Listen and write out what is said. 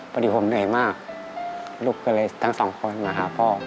พอดีผมเหนื่อยมากลูกก็เลยทั้งสองคนมาหาพ่อ